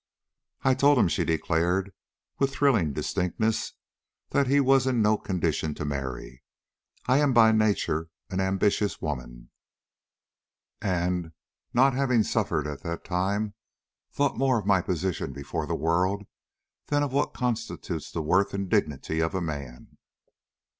"I told him," she declared, with thrilling distinctness, "that he was in no condition to marry. I am by nature an ambitious woman, and, not having suffered at that time, thought more of my position before the world than of what constitutes the worth and dignity of a man."